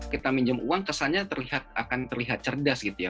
kita minjam uang kesannya akan terlihat cerdas gitu ya